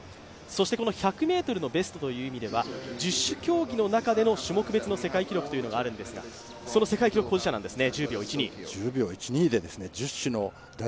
そして１００ｍのベストという意味では十種競技の中での種目別の世界記録があるんですがその世界記録保持者なんですね、